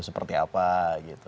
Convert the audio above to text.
seperti apa gitu